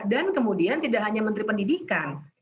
dan kemudian tidak hanya menteri pendidikan